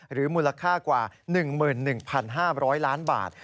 มูลค่ากว่า๑๑๕๐๐ล้านบาท